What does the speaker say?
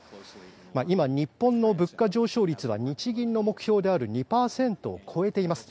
今、日本の物価上昇率は日銀の目標である２％を超えています。